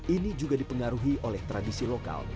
ini juga dipengaruhi oleh tradisi lokal